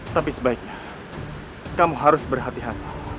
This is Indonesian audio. tapi sebaiknya kamu harus berhati hati